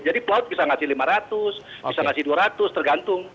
jadi pelaut bisa ngasih lima ratus bisa ngasih dua ratus tergantung